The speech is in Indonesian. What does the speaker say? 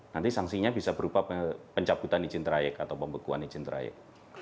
nanti sanksinya bisa berupa pencabutan izin trayek atau pembekuan izin trayek